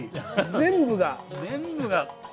全部が。